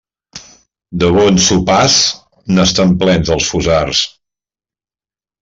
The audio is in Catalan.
De bons sopars, n'estan plens els fossars.